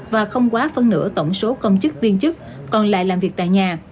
và không quá phân nửa tổng số công chức viên chức còn lại làm việc tại nhà